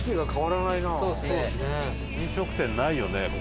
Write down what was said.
飲食店ないよね